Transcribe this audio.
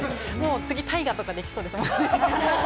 大河とかできそうですよね。